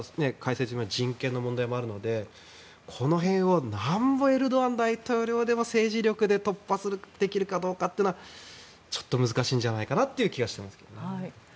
また人権の問題もあるのでこの辺はなんぼエルドアン大統領でも政治力で突破できるかどうかはちょっと難しいんじゃないかなという気がしてますけど。